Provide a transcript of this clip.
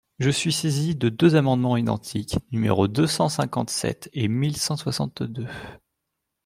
Je suis saisi de deux amendements identiques, numéros deux cent cinquante-sept et mille cent soixante-deux.